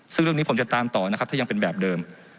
ซึ่งเรื่องนี้ผมจะตามต่อนะครับถ้ายังเป็นแบบเดิม